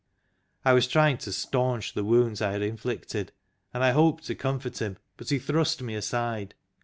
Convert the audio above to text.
I was trying to staunch the wounds I had inflicted, and I hoped to comfort him, but he thrust me aside.